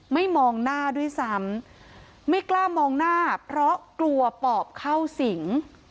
มองหน้าด้วยซ้ำไม่กล้ามองหน้าเพราะกลัวปอบเข้าสิง